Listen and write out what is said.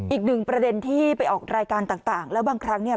อีกหนึ่งประเด็นที่ไปออกรายการต่างแล้วบางครั้งเนี่ย